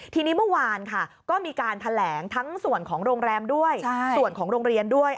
ทีนี้เมื่อวานค่ะก็มีการแถลงทั้งส่วนของโรงแรมด้วยส่วนของโรงเรียนด้วย